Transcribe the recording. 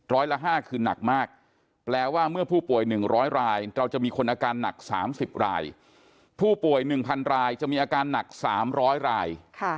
ละ๕คือหนักมากแปลว่าเมื่อผู้ป่วย๑๐๐รายเราจะมีคนอาการหนัก๓๐รายผู้ป่วย๑๐๐รายจะมีอาการหนัก๓๐๐ราย